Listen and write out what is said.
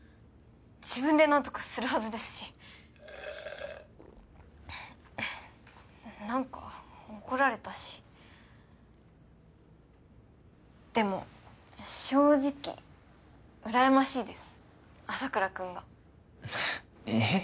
自分で何とかするはずですし何か怒られたしでも正直うらやましいです朝倉君がえっ？